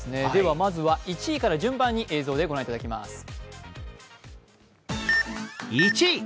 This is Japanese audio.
まずは１位から順番に映像で御覧いただきます。